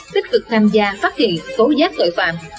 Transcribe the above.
tích cực tham gia phát hiện tố giác tội phạm